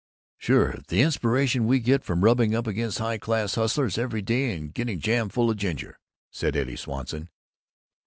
"Sure, and the inspiration we get from rubbing up against high class hustlers every day and getting jam full of ginger," said Eddie Swanson.